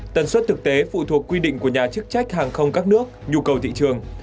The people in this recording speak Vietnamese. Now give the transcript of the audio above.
tần suất thực tế phụ thuộc quy định của nhà chức trách hàng không các nước nhu cầu thị trường